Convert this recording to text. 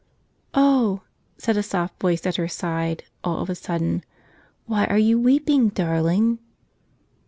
"Oh," said a soft voice at her side, all of a sudden, "why are you weeping, darling?"